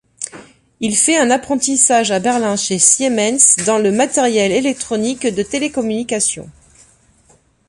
Il fait un apprentissage à Berlin chez Siemens dans le matériel électronique de télécommunications.